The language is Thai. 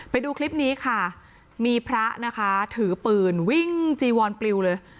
ไปดูคลิปนี้ค่ะมีพระนะคะถือปืนวิ่งจีวอนปลิวเลย